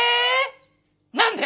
何で？